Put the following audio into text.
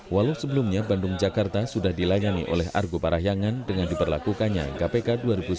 walau sebelumnya bandung jakarta sudah dilayani oleh argo parahyangan dengan diberlakukannya kpk dua ribu sembilan belas